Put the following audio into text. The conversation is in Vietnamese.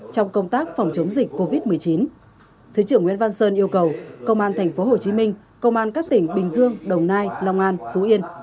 trong công tác phòng chống dịch covid một mươi chín thứ trưởng nguyễn văn sơn yêu cầu công an tp hcm công an các tỉnh bình dương đồng nai long an phú yên